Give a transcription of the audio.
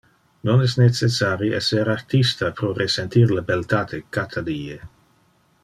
Non es necessari esser artista pro resentir le beltate cata die.